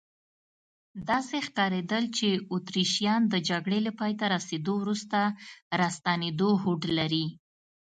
داسې ښکارېدل چې اتریشیان د جګړې له پایته رسیدو وروسته راستنېدو هوډ لري.